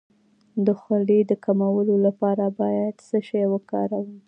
د خولې د کمولو لپاره باید څه شی وکاروم؟